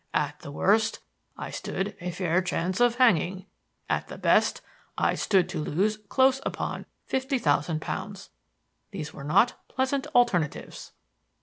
At the worst, I stood a fair chance of hanging; at the best, I stood to lose close upon fifty thousand pounds. These were not pleasant alternatives.